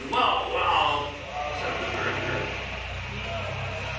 Well, well!" said the director.